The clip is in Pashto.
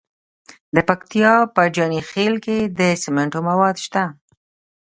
د پکتیا په جاني خیل کې د سمنټو مواد شته.